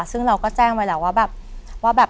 ซึ่งเราก็แจ้งไว้แล้วว่าแบบ